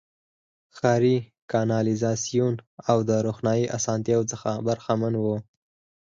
ښاري کانالیزاسیون او د روښنايي اسانتیاوو څخه برخمن وو.